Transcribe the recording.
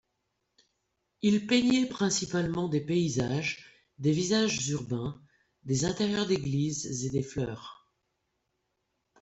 Il peignait principalement des paysages, des visages urbains, des intérieurs d'églises et des fleurs.